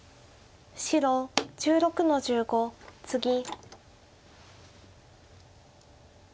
白１６の十五ツギ。